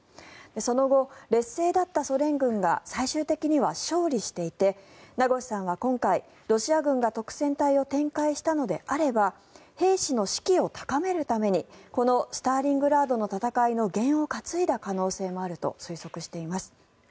その後、劣勢だったソ連軍が最終的には勝利していて名越さんは今回、ロシア軍が督戦隊を展開したのであれば兵士の士気を高めるためにこのスターリングラードの戦いのげんを担いだ可能性もあると推測しています。